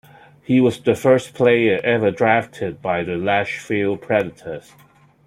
He was the first player ever drafted by the Nashville Predators.